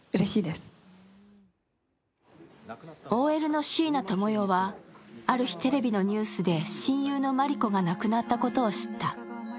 ＯＬのシイノトモヨはある日、テレビのニュースで親友のマリコが亡くなったことを知った。